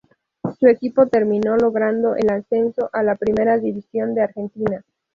Su equipo terminó logrando el ascenso a la Primera División de Argentina.